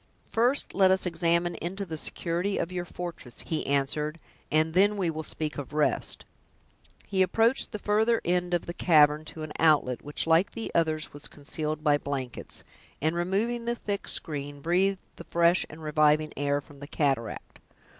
"First let us examine into the security of your fortress," he answered, "and then we will speak of rest." He approached the further end of the cavern, to an outlet, which, like the others, was concealed by blankets; and removing the thick screen, breathed the fresh and reviving air from the cataract.